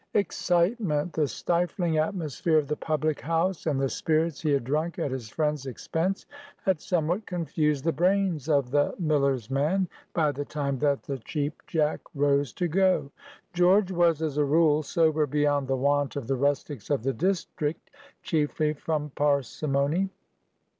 EXCITEMENT, the stifling atmosphere of the public house, and the spirits he had drunk at his friend's expense, had somewhat confused the brains of the miller's man by the time that the Cheap Jack rose to go. George was, as a rule, sober beyond the wont of the rustics of the district, chiefly from parsimony.